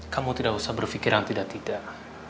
kamu tidak usah berpikiran tidak tidak